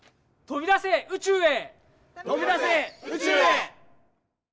とびだせ宇宙へ。